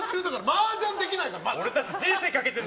マージャンできないから！